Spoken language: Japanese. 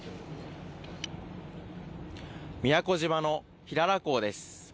宮古島の平良港です。